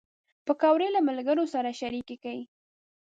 پکورې له ملګرو سره شریکېږي